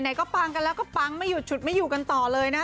ก็ปังกันแล้วก็ปังไม่หยุดฉุดไม่อยู่กันต่อเลยนะคะ